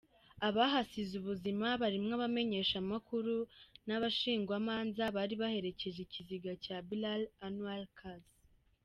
Abahasize ubuzima barimwo abamenyeshamakuru n'abashingwamanza bari baherekeje ikiziga ca Bilal Anwar Kasi.